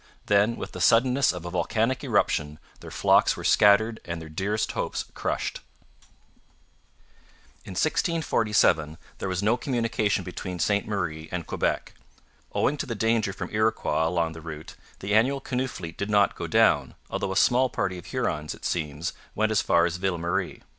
Then, with the suddenness of a volcanic eruption, their flocks were scattered and their dearest hopes crushed. In 1647 there was no communication between Ste Marie and Quebec. Owing to the danger from Iroquois along the route, the annual canoe fleet did not go down, although a small party of Hurons, it seems, went as far as Ville Marie.